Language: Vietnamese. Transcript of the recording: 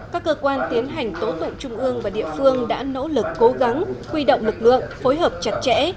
các cơ quan tiến hành tố tụng trung ương và địa phương đã nỗ lực cố gắng huy động lực lượng phối hợp chặt chẽ